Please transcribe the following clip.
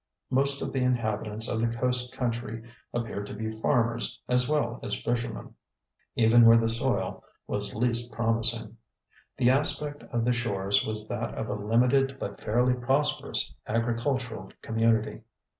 Most of the inhabitants of the coast country appeared to be farmers as well as fishermen, even where the soil was least promising. The aspect of the shores was that of a limited but fairly prosperous agricultural community.